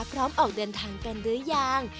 ออกเดินทางกันหรือยัง